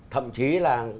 thậm chí là